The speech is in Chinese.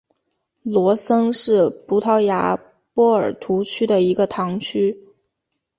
罗森是葡萄牙波尔图区的一个堂区。